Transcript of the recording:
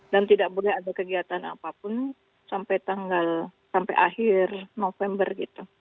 dan tidak boleh ada kegiatan apapun sampai akhir november gitu